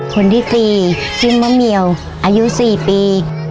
คนที่๔ชื่อมะเมียวอายุ๔ปี